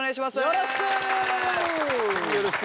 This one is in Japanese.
よろしく。